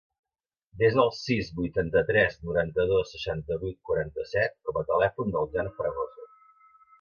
Desa el sis, vuitanta-tres, noranta-dos, seixanta-vuit, quaranta-set com a telèfon del Jan Fragoso.